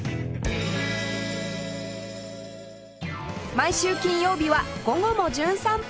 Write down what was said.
毎週金曜日は『午後もじゅん散歩』